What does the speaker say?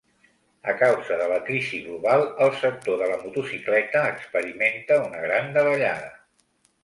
A causa de la crisi global, el sector de la motocicleta experimenta una gran davallada.